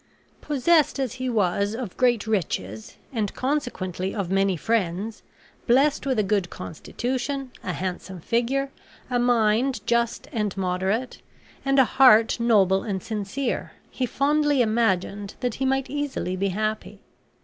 Possessed as he was of great riches, and consequently of many friends, blessed with a good constitution, a handsome figure, a mind just and moderate, and a heart noble and sincere, he fondly imagined that he might easily be happy.